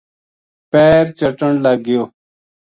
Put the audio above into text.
پیر چٹن لگ گیو